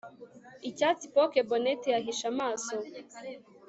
Icyatsi poke bonnet yahishe amaso